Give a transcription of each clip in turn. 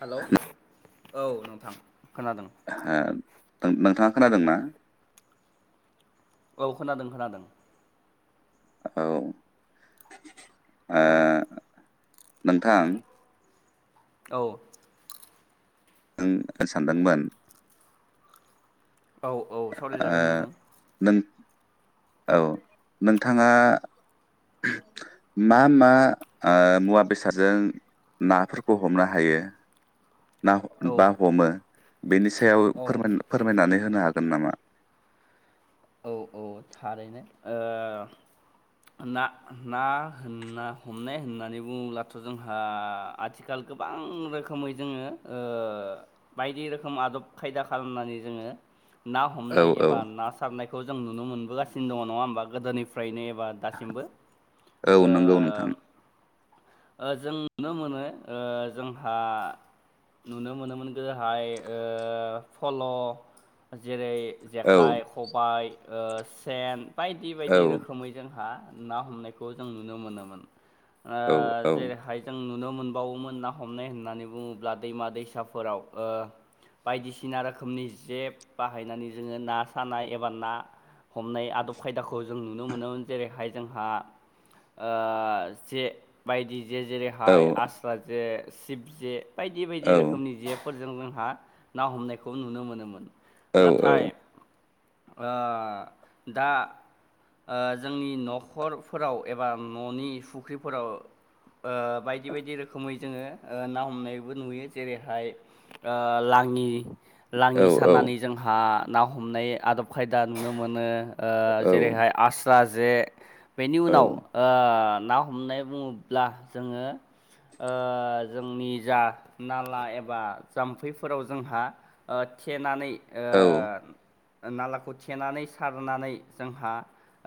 Hello औ नोंथां खोनादों। ओ नोंथाङा खोनादों ना? औ- खोनादों- खोनादों औ ओ औ नोंथां औ सानदोंमोन। औ- औ- ओ सावरायजागोन नोंथां नों औ- नोंथाङा मा- मा ओ- मुवा बेसादजों नाफोरखौ हमनो हायो। ना औ बा- हमो बेनि सायाव औ फोर- फोरमायनानै होनो हागोन नामा? औ- औ- ओ- थारैनो ना ना होनना हमनाय होननानै बुङोब्लाथ' जोंहा आथिखाल गोबां रोखोमै जोङो ओ बायदि रोखोम आदब खायदा खालामनानै जोङो ना औ हमनाय औ एबा ना सारनायखौ जों नुनो मोनबोगासिनो दङ नङा होमबा गोदोनि फ्रायनो एबा दासिमबो औ ओ नंगौ नोंथां ओ जों नुनो मोनो ओ जोंहा नुनो मोनोमोन गोदोहाय ओ फल' जेरै औ जेखाइ खबाइ ओ सेन बायदि औ बायदि रोखोमै जोंहा ना हमनायखौ जों नुनो मोनोमोन औ औ जेरैहाय जों नुनो मोनबावोमोन ना हमनाय होननानै बुङोब्ला दैमा दैसाफोराव ओ बायदिसिना रोखोमनि जे बाहायनानै जोङो ना सानाय एबा ना हमनाय आदब खायदाखौ जों नुनो मोनोमोन जेरैहाय जोंहा ओ जे बायदि जे औ जेरैहाय आस्रा जे सिशब जे बायदि बायदि औ रोखोमनि जे फोरजों जोंहा ना हमनायखौ नुनो मोनोमोन औ नाथाय औ ओ दा ओ जोंनि न'खरफोराव एबा न'नि फुख्रिफोराव ओ बायदि बायदि रोखोमै जोङो ना हमनायबो नुयो जेरैहाय ओ लाङि लाङि सानानै जोंहा ना हमनाय आदब खायदा नुनो मोनो। ओ जेरैहाय आस्रा जे बेनि उनाव ओ ना हमनाय बुङोब्ला जोङो ओ जोंनि जा नाला एबा जाम्फैफोराव जोंहा ओ थेनानै औ ओ नालाखौ थेनानै सारनानै जोंहा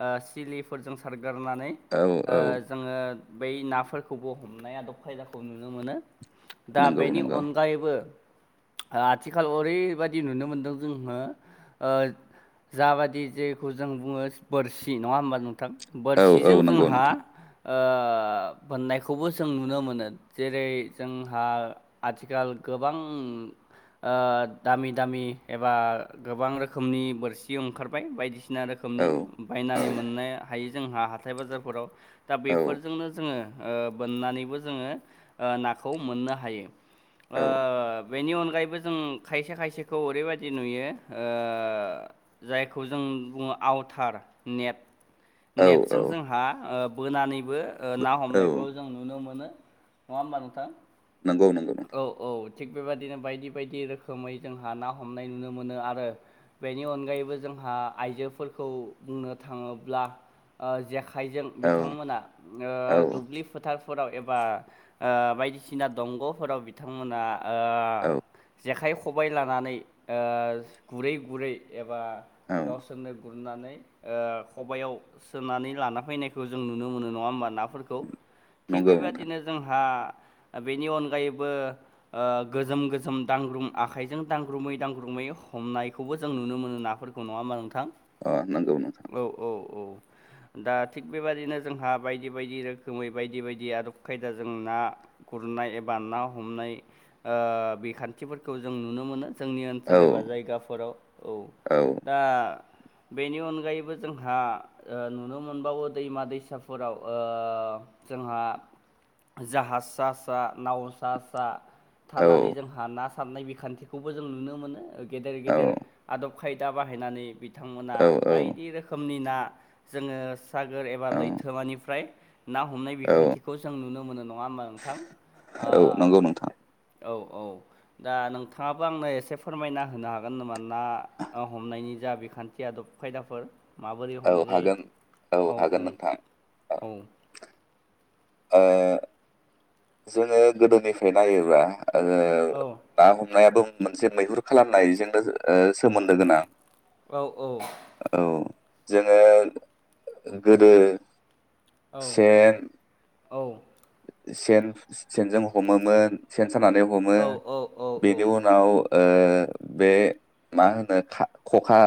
ओ सिलिफोरजों सार गोरनानै औ ओ औ जोङो बै नाफोरखौबो हमनाय आदब खायदाखौ नुनो मोनो। दा नंगौ बेनि नंगौ अनगायैबो आथिखाल ओरैबायदि नुनो मोनदों जोङो ओ जाबादि जेखौ जों बुङो बोरसि नङा होमबा नोंथां? औ औ बोरसिजों नंगौ जोंहा नोंथां ओ बनायखौबो जों नुनो मोनो जेरै जोंहा आथिखाल गोबां ओ दामि दामि एबा गोबां रोखोम खोमनि बोरसि ओंखारबाय बायदिसिना औ रोखोमनि औ बायनानै मोननाया थायो जोंहा हाथाय बाजारफोराव दा- बेफोरजोंनो जोङो ओ बोननानैबो जोङो नाखौ मोननो हायो औ ओ बेनि अनगायैबो जों खायसे खायसेखौ ओरैबायदि नुयो ओ ओ जायखौ जों बुङो आउथार नेट औ नेटजों औ जोंहा ओ बोनानैबो ना औ हमनायखौ जों नुनो मोनो नङा होनबा नोंथां? नंगौ नंगौ। औ औ थिग बेबदिनो बायदि बायदि रोखोमै जोंहा ना हमनाय नुनो मोनो आरो बेनि अनगायैबो जों हा आइजोफोरखौ बुंनो थाङोब्ला जे आखाइजों औ बिथांमोना ओ औ दुब्लि फोथार फोराव एबा ओ बायदिसिना दंग'फोराव बिथांमोना ओ औ जेखाइ खबाय लानानै गुरै गुरै एबा औ गावसोरनो गुरनानै ओ खबयाव सोनानै लाना फैनायखौ जों नुनो मोनो नङा होमबा नाफोरखौ। थिग नंगौ नोंथां बेबादिनो जोंहा बेनि अन गायैबो ओ गोजोम गोजोम दांग्रुम आखाइजों दांग्रुमै दांग्रुमै हमनायखौबो जों नुनो मोनो नाफोरखौ नङा होनबा नों अ नंगौ नोंथां औ दा थिग बेबदिनो जोंहा बायदि बायदि रोखोमै बायदि बायदि आदब खायदा जों नाखौ गुरनाय एबा ना हमनाय ओ बिखान्थिफोरखौ जों नुनो मोनो जोंनि औ ओनसोल एबा जायगाफोराव औ दा बेनि अनगायैबो जोंहा ओ नुनो मोनबावो दैमा दैसाफोराव ओ जोंहा जाहाज सा सा नाव सा सा औ थानानै जोंहा ना सारनाय बिखान्थिखौबो जों नुनो मोनो गेदेर औ गेदेर आदब खायदा बाहायनानै बिथांमोना औ बायदि रोखोमनि ना जोङो सागोर एबा औ लैथोमानिफ्राय ना हमनाय औ बिखान्थिखौ जों नुनो मोनो नङा होमबा नोंथां, औ नंगौ नोंथां औ औ दा नोंथाङाबो आंनो एसे फोरमायना होनो हागोन नामा? ना हमनायनि जा बिखान्थि आदब खायदाफोर माबोरै औ हमनाय हागोन जायो औ हागोन औ नोंथां औ, ओ जोङो गोदोनिफ्राय नायोबा, ओ औ ना हमनायाबो मोनसे मैहुर खालामनायजोंनो ओ सोमोन्दो गोनां औ औ औ जोङो गोदो औ सेन औ सेन सेनजों हमोमोन सेन सानानै हमो औ औ औ बेनि औ उनाव ओ बे मा होनो खा खखा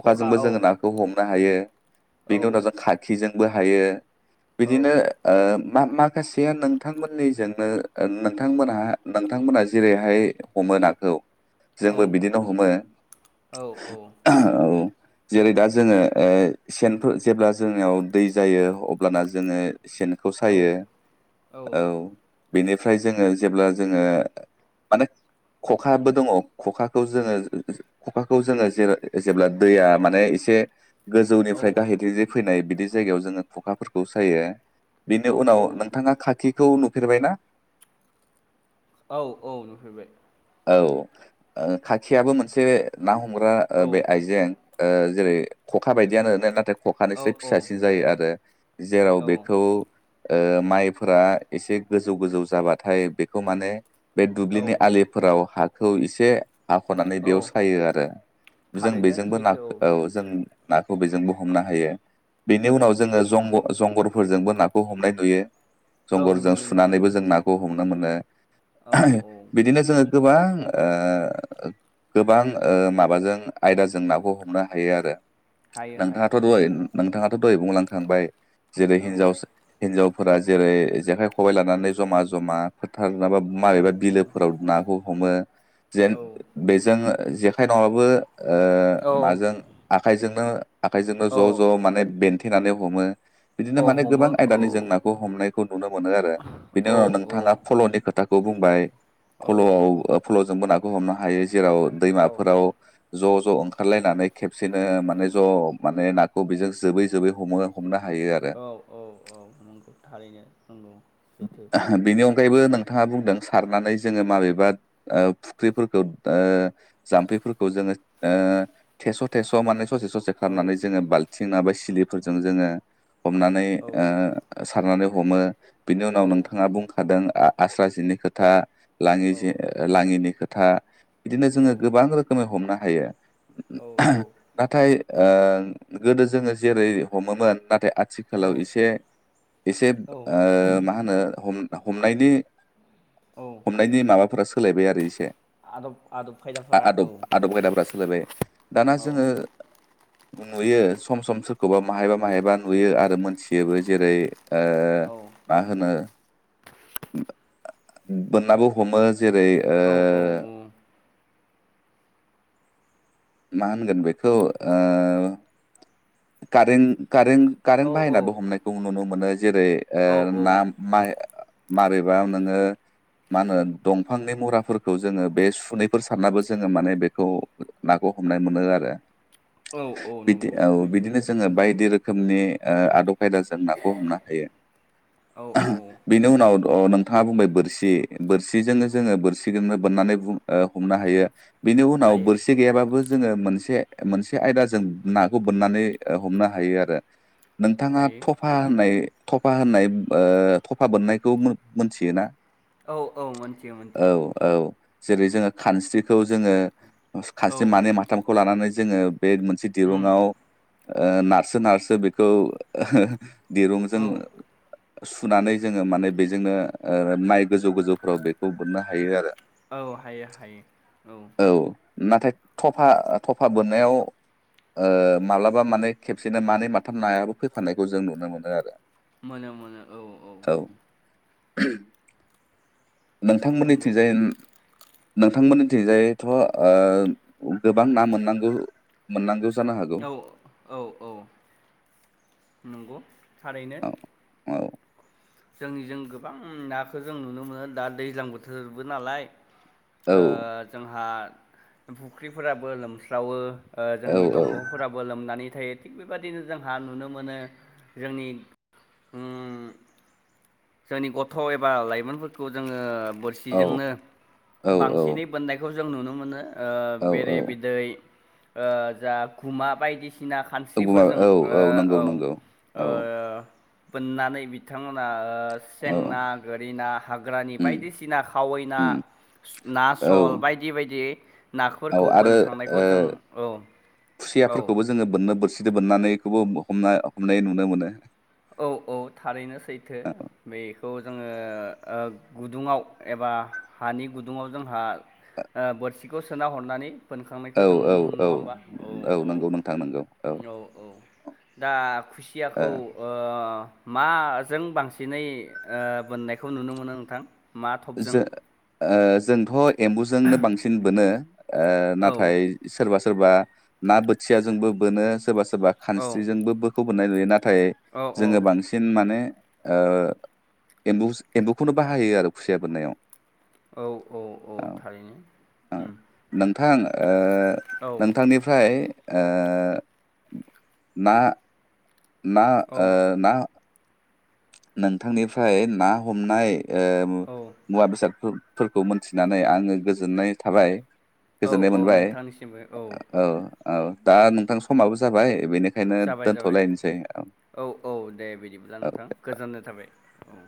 खखा औ जोङो नाखौ हमनो हायो औ बेनि उनाव जों खाखिजोंबो हायो। औ बिदिनो ओ मा माखासेआ नों नोंथांमोननिजोंनो नोंथांमोनहा नोंथांमोनहा जेरैहाय हमो नाखौ, औ जोंबो बिदिनो हमो औ औ, जेरै दा जोङो ओ सेनफोर जेब्ला जोंनियाव दै जायो अब्लाना जोङो, सेनखौ औ सायो औ बेनिफ्राय जोङो जेब्ला जोङो माने, खखाबो दङ खखाखौ जोङो खखाखौ जोङो जेब्ला दैया माने एसे गोजौनिफ्राय गाहायथिंजे फैनाय बिदि जायगायाव जोङो खखाफोरखौ सायो। औ बेनि उनाव नोंथाङा खाखिखौ नुफेरबायना? औ औ नुफेरबाय, औ ओ खाखियाबो मोनसे ना हमग्रा ओ औ बे आइजें, ओ जेरै खखा बायदियानो नाथाय, औ खखानिसाय फिसासिन जायो आरो जेराव औ बेखौ ओ माइ फोरा एसे गोजौ गोजौ जाबाथाय बेखौ माने बे दुब्लिनि औ आलिफोराव हा खौ एसे हाख'नानै औ बेयाव सायो आरो जों थारैनो बेजोंबो नाख सैथो औ जों नाखौ बेजोंबो हमनो हायो बेनि औ उनाव औ जोङो जग जंगर फोरजोंबो नाखौ हमनाय नुयो औ जंगरजों नुयो नुयो सुनानैबो जों नाखौ हमनो मोनो, औ औ बिदिनो जोङो गोबां ओ, गोबां ओ माबाजों आयदाजों नाखौ हमनो हायो आरो हायो हायो नोंथाङाथ' हायो द नोंथाङाथ' दहै बुंलांखांबाय जेरै हिनजाव औ हिनजाव, फोरा जेरै जेखाइ खबाइ लानानै जमा जमा [unintelligible] औ मारैबा औ बिलोफोराव नाखौ हमो जेन बेजों जेखाइ नङाबाबो ओ औ माजों आखाइजोंनो, आखाइजों औ ज' ज' माने बेन्थेनानै हमो बिदिनो औ माने हमो गोबां औ आयदानि जों नाखौ हमनाय, नुनो मोनो आरो बिनि औ उनाव नोंथाङा फल'नि खोथाखौ बुंबाय, औ फल'आव फल'जोंबो नाखौ हमनो हायो जेराव औ दैमाफोराव, ज' ज' ओंखारलायनानै खेबसेनो माने ज' माने नाखौ बेजों जोबै जोबै हमो हमना, औ औ औ नंगौ थारैनो नंगौ सैथो बिनि बो नोंथा बुंदों सनानै ज माबेबा फु ज फोरखौ जोंङो ओ थेस थेस ससे ससे औ खालामनानै जोङो बाल्थिं नाबा सिलिफोरजों जोङो हमनानै औ सारनानै हमो बिनि उनाव औ नोंथाङा बुंखादों आस्रा जिनि खोथा लाङि औ लाङिनि खोथा बिदिनो औ जोङो गोबां रोखोमै हमनो हायो नाथाय गोदो जोङो जेरै हमोमोन नाथाय औ आथिखालाव एसे एसे औ औ हनायनि माबाफोरा सोलायबाय आरो एसे आदब आदब खायदाफोरा आदब औ आदब खायदाफ्रा सोलायबाय दाना औ जोङो नुयो सम सम सोरखौबा माहायबा माहायबा नुयो आरो मोनथियोबो जेरै औ बोनाबो हमो जेरै ओ औ औ मा होनगोन बेखौ कारेन्ट औ कारेन्ट बाहायनाबो हमनायखौ नुनो मोनो जेरै औ ना माइ मारैबा नोंङो मा होनो दंफांनि मुराफोरखौ जोङो बे सुनैफोर सारनाबो जोङो माने बेखौ नाखौ हमनाय मोनो आरो औ बिदि नंगौ औ सै बिदिनो सैथो जोङो बायदि रोखोम नि आदब खायदाजों नाखौ हमनो हायो औ औ बिनि उनाव नोंथाङा बुंबाय बोरसि बोरसिजोंनो जोङो बोरसि बोननानै हमनो हायो बिनि उनाव हायो बोरसि गैयाबाबो जोङो मोनसे मोनसे आयदा जों नाखौ बोननानै हमनो हायो आरो नोंथाङा हायो थफा होननाय थफा होननाय थफा बोननायखौ मोनथियोना औ औ मोनथियो मोनथियो औ औ जेरै जोङो खानस्रिखौ जोङो औ खानस्रि मानै माथामखौ लानानै जोङो बे मोनसे उम दिरुुंआव नारसो नारसो बेखौ दिरुंजों औ सुनानै जोङो माने बेजोंनो माइ गोजौ गोजौफ्राव बेखौ बोननो हायो आरो औ हायो हायो औ नाथाय थफा थफा बोननायाव माब्लाबा माने खेबसेनो मानै माथाम नायाबो फैफाननायखौ जों नुनो मोनो आरो मोनानो मोनो औ औ नोंथांमोननि नंगौ थिंजाइ नोंथांमोननिथिंजायथ' गोबां ना मोननांगौ मोननांगौ जानो हागौ औ औ औ औ नंगौ थारैनो औ जोंनिजों गोबां नाखौ जों नुनो मोनो दा दैज्लां बोथोरबो नालाय औ जोंहा फुख्रिफोराबो लोमस्रावो औ जोंनि दंगंफोराबो लोमनानै नाथाय थिग बेबायदिनो जोंहा नुनो मोनो जोंनि जोंनि गथ' एबा लाइमोनफोरखौ जोङो औ बोरसिजोंनो औ बांसिनै बोननायखौ जों नुनो मोनो ओ औ बेरे बिदै जा खुमा बायदिसिना सिना औ खान्स्रिफोरजों औ नंगौ औ नंगौ औ बोननानै बिथां औ सें ना गोरिनाा हाग्रानि उम बायदिसिना खावै ना उम ना औ सल बायदि बायदियै औ आरो ओ औ औ खुसियाफोरखौबो जोङो बोननो बोरसि दो बोननानैखौबो हमनाय हमनाय नुनो मोनो। औ औ थारैनो सैथो बेखौ जोङो ओ गुदुङाव एबा हानि गुदुङाव जोंहा ओ बोरसिखौ सोना हरनानै बोनखांनायखौ औ जों औ नुनो मोनो औ नङा होमबा? औ औ नंगौ नोंथां नंगौ औ औ दा ओ खुसियाखौ ओ माजों बांसिनै बोननायखौ नुनो मोनो नोंथां? माथबजों जो ओ जोंथ' एम्बुजोंनो बांसिन बोनो ओ औ नाथाय सोरबा सोरबा ना बोथियााजोंबो बोनो सोरबा सोरबा औ खानस्रिजोंबो बोखौ बोननाय नुयो ना थाय औ जोङो बांसिन माने ओ एम्बु एम्बुखौनो बाहायो आरो खुसिया बोननायाव। औ औ औ थारैनो। ओ उम नोंथां ओ औ नोंथांनिफ्राय ओ [inaudible] ना ना औ [inaudible] ओ ना नोंथांनिफ्राय ना हमनाय ओ औ मुवा बेसादफोर फोरखौ मोनथिनानै आङो गोजोननाय थाबाय औ गोजोननाय औ मोनबाय नोंथांनिसिमबो [inaudible] औ औ दा नोंथां समाबो जाबाय बेनि जाबाय जाबाय [inaudible] औ औ दे बिदिब्ला। औ नोंथां गोजोननाय थाबाय औ।